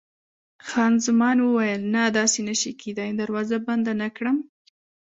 خان زمان وویل: نه، داسې نه شي کېدای، دروازه بنده نه کړم.